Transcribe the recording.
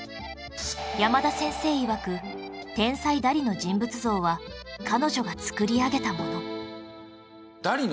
山田先生いわく天才ダリの人物像は彼女が作り上げたもの